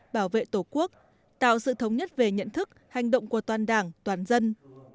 bảo vệ tổ quốc tạo sự thống nhất về nhận thức hành động của toàn đảng toàn dân